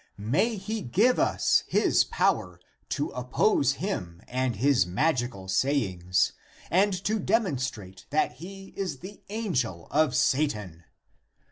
May he give us his power to oppose him and his magical sayings, and to demonstrate that he is the angel of Satan.